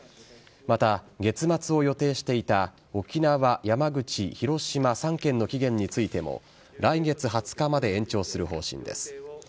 また月末を予定していた沖縄、山口、広島３県の期限についても、来月２０日まで延長する方針です。